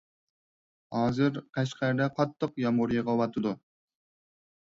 ھازىر قەشقەردە قاتتىق يامغۇر يېغىۋاتىدۇ!